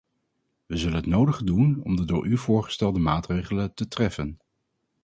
Wij zullen het nodige doen om de door u voorgestelde maatregelen te treffen.